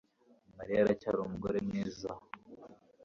Mariya aracyari umugore mwiza